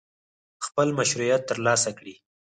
خپل مشروعیت ترلاسه کړي.